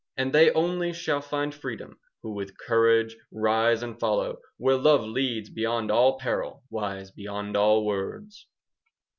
And they only shall find freedom Who with courage rise and follow Where love leads beyond all peril, 15 Wise beyond all words.